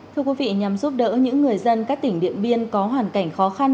thưa quý vị nhằm giúp đỡ những người dân các tỉnh điện biên có hoàn cảnh khó khăn